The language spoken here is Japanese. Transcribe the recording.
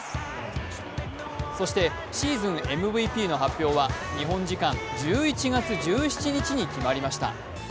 そしてシーズンＭＶＰの発表は日本時間１１月１７日に決まりました。